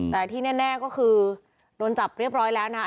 แต่ที่แน่ก็คือโดนจับเรียบร้อยแล้วนะคะ